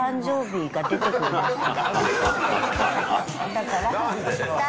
だから。